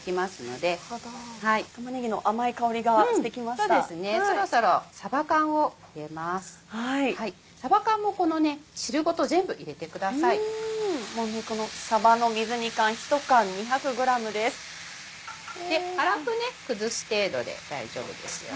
で粗く崩す程度で大丈夫ですよ。